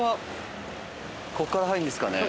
こっから入るんですかね。